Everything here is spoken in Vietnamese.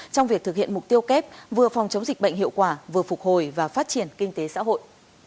trong việc thực hiện mục tiêu kép vừa phòng chống dịch bệnh hiệu quả vừa phục hồi và phát triển kinh tế xã hội